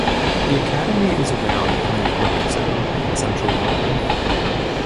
The academy is around from the Olympic Zone in central London.